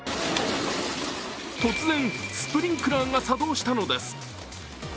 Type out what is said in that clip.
突然、スプリンクラーが作動したのです。